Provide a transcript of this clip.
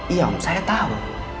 iya om saya tahu